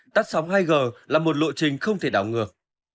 tắt sóng hai g là một lộ trình không thể đảo ngược